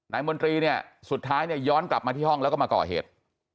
มนตรีเนี่ยสุดท้ายเนี่ยย้อนกลับมาที่ห้องแล้วก็มาก่อเหตุ